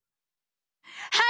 はい！